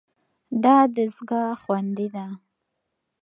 دا دستګاه خوندي ده.